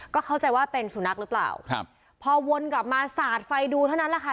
ก็เข้าใจว่าเป็นสุนัขหรือเปล่าครับพอวนกลับมาสาดไฟดูเท่านั้นแหละค่ะ